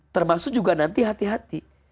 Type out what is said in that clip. termasuk juga nanti hati hati